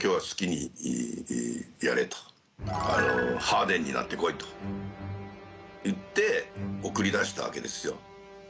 ハーデンになってこいと言って送り出したわけですよ。